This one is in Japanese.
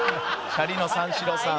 チャリの三四郎さん。